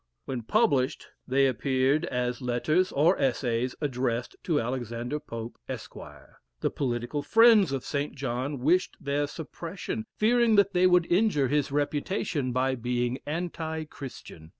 When published they appeared as "Letters or Essays addressed to Alexander Pope, Esq." The political friends of St. John wished their suppression, fearing that they would injure his reputation by being anti Christian.